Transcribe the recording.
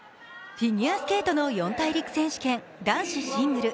フィギュアスケートの四大陸上選手権男子シングル。